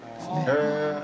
へえ